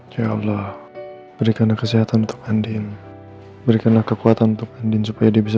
ya allah berikanlah kesehatan untuk andin berikanlah kekuatan untuk andin supaya dia bisa